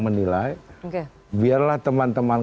menilai oke biarlah teman teman